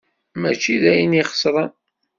Mačči d ayen ixesren.